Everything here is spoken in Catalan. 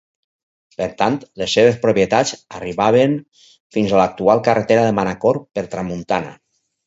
Per tant, les seves propietats arribaven fins a l'actual carretera de Manacor, per tramuntana.